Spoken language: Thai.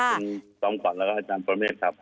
คุณจอมขวัญแล้วก็อาจารย์ประเมฆครับ